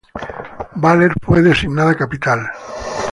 Baler fue designada capital.